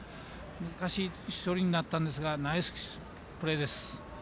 難しい処理になったんですがナイスプレーです。